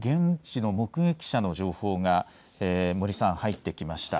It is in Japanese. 現地の目撃者の情報が森さん、入ってきました。